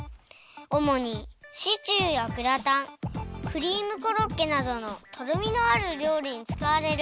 おもにシチューやグラタンクリームコロッケなどのとろみのあるりょうりにつかわれる。